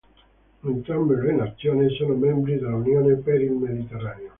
Entrambe le nazioni sono membri dell'Unione per il Mediterraneo.